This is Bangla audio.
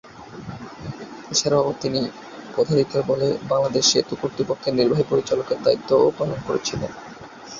এছাড়াও, তিনি পদাধিকার বলে বাংলাদেশ সেতু কর্তৃপক্ষের নির্বাহী পরিচালকের দায়িত্বও পালন করেছেন।